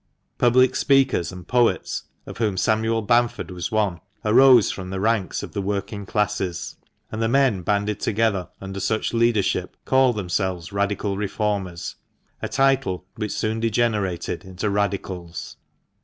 Public speakers and poets, of whom Samuel Bamford was one, arose from the ranks of the working classes ; and the men banded together under such leadership called themselves Radical Reformers, a title which soon degenerated into Radicals.